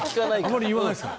あんまり言わないんすか？